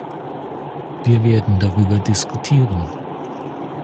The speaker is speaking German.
Wir werden darüber diskutieren.